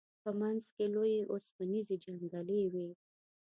په منځ کې لوی اوسپنیزې جنګلې وې.